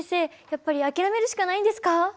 やっぱり諦めるしかないんですか？